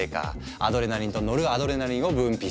アドレナリンとノルアドレナリンを分泌。